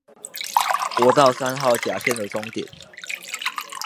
國道三號甲線的終點